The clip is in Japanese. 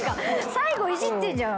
最後イジってんじゃん！